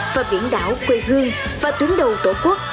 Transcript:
và biển đảo quê hương và tuyến đầu tổ quốc